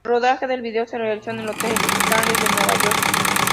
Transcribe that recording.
El rodaje del video se realizó en el Hotel Standard de Nueva York.